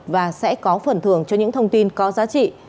và sẽ có phần thưởng cho những thông tin có giá trị